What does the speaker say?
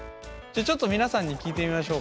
じゃあちょっと皆さんに聞いてみましょうか。